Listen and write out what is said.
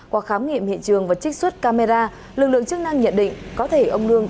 qua khám nghiệm hiện trường và trích xuất camera lực lượng chức năng nhận định có thể ông lương